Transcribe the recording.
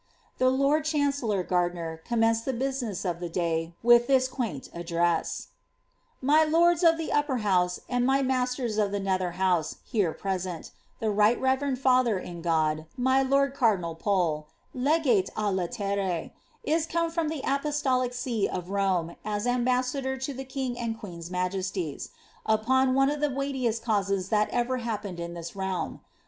The 1 Old chancellor Gardiner commenced the business of the day with this quaint address :— ■'My lord» of the upper house and my mtuMttn of the nether house here present, the right reverend father in God, luy lord cardinal Pole, le^ratc a la'ert, \b come from the apostolic sec of Rome as ambassador to the king and (jiuhmi s m^esties, upon one of the weightiest causes that ever happened in this realm.